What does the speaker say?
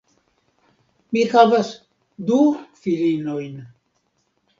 Mi havas du filinojn.